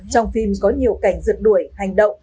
trong phim có nhiều cảnh giật đuổi hành động